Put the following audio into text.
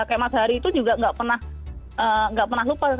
kayak mas hari itu juga nggak pernah lupa